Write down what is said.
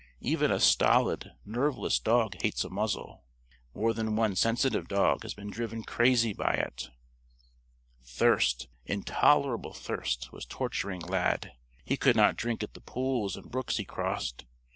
Even a stolid, nerveless dog hates a muzzle. More than one sensitive dog has been driven crazy by it. Thirst intolerable thirst was torturing Lad. He could not drink at the pools and brooks he crossed.